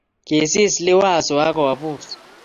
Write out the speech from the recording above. Kisis Liwazo akobus